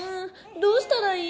どうしたらいい？